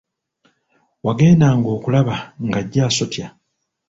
Wagendanga okulaba ng'ajja asotya!